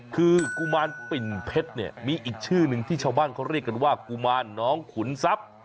คือกุมารปิ่นเพชรเนี่ยมีอีกชื่อหนึ่งที่ชาวบ้านเขาเรียกกันว่ากุมารน้องขุนทรัพย์